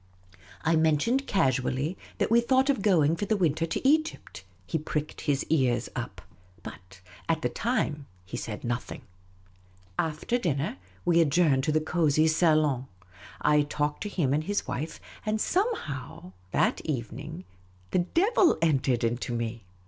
I mentioned casually that we thought of going for the winter to Egypt. He pricked his ears up. But at the time he said nothing. After dinner, we adjourned to the cosy salon. I talked to him and his wife ; and somehow, that evening, the devil entered into me.